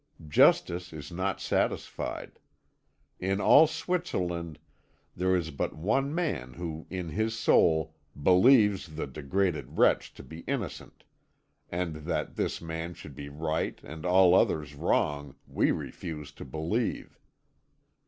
Justice is not satisfied. In all Switzerland there is but one man who in his soul believes the degraded wretch to be innocent, and that this man should be right and all others wrong we refuse to believe.